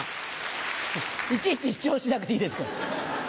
いちいち主張しなくていいですから。